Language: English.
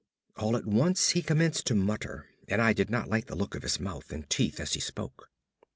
All at once he commenced to mutter, and I did not like the look of his mouth and teeth as he spoke.